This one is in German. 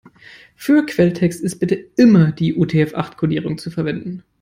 Für Quelltext ist bitte immer die UTF-acht-Kodierung zu verwenden.